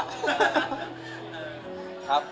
ครับ